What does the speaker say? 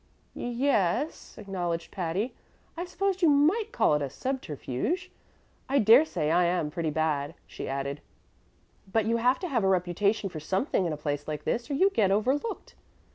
"Y yes," acknowledged Patty; "I suppose you might call it a subterfuge. I dare say I am pretty bad," she added, "but you have to have a reputation for something in a place like this or you get overlooked.